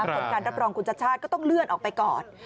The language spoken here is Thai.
ผลการรับรองคุณชาติชาติก็ต้องเลื่อนออกไปก่อน